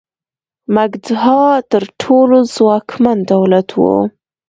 مګدها تر ټولو ځواکمن دولت و.